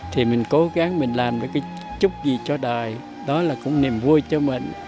thì mình cố gắng mình làm một chút gì cho đời đó là cũng niềm vui cho mình